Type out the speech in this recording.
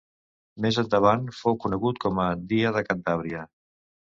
Més endavant, fou conegut com a Dia de Cantàbria.